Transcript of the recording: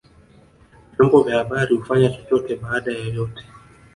vyombo vya habari hufanya chochote baada ya yote